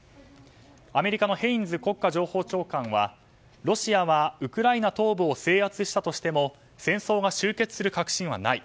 アメリカのヘインズ国家情報長官はロシアがウクライナ東部を制圧したとしても戦争が終結する確信はない。